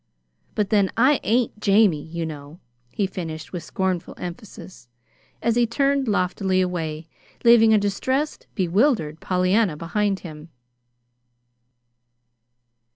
"But, then, I ain't 'JAMIE,' you know," he finished with scornful emphasis, as he turned loftily away, leaving a distressed, bewildered Pollyanna behind him.